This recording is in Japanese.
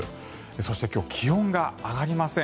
そして今日気温が上がりません。